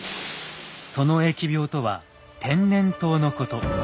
その疫病とは「天然痘」のこと。